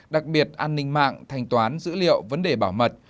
đặc biệt an ninh mạng thanh toán dữ liệu vấn đề bảo mật